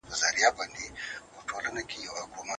خلګ به د خپلو حقونو غوښتنه وکړي.